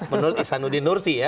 menurut ishanuddin nursi ya